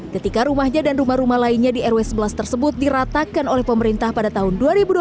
ketika rumahnya dan rumah rumah lainnya di rw sebelas tersebut diratakan oleh pemerintah pada tahun dua ribu dua puluh